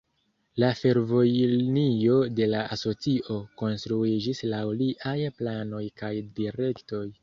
La fervojlinio de la asocio konstruiĝis laŭ liaj planoj kaj direktoj.